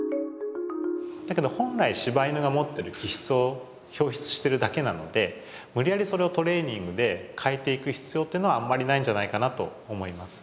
だけど本来柴犬が持ってる気質を表出してるだけなので無理やりそれをトレーニングで変えていく必要っていうのはあんまりないんじゃないかなと思います。